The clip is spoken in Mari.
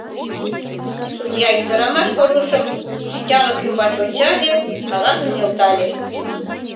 Судья ӱдырамаш Колюшым шинчалык ӱмбач ончале, кагазым нӧлтале: